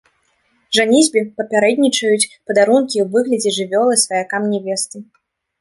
Жаніцьбе папярэднічаюць падарункі ў выглядзе жывёлы сваякам нявесты.